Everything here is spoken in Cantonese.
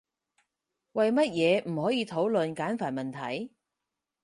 為乜嘢唔可以討論簡繁問題？